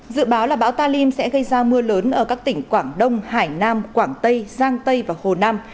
dự báo là bão talim sẽ gây ra mưa lớn ở các tỉnh quảng đông hải nam quảng tây giang tây và hồ nam